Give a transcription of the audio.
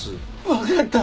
分かった。